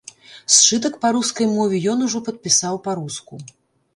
Сшытак па рускай мове ён ужо падпісаў па-руску.